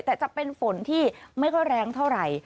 แต่จะเป็นฝนที่ไม่ค่อยแรงเท่าไหร่